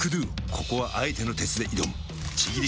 ここはあえての鉄で挑むちぎり